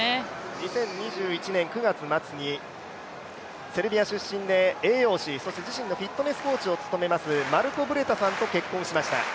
２０２１年９月末でセルビア出身で栄養士、そして自身のフィットネスコーチを務める方と結婚しました。